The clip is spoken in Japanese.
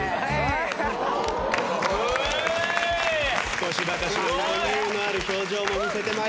少しばかり余裕のある表情も見せて参りました。